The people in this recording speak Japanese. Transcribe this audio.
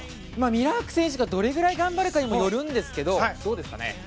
ミラーク選手がどれくらい頑張るかにもよりますがどうですかね？